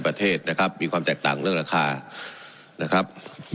ประเทศนะครับมีความแตกต่างเรื่องราคานะครับ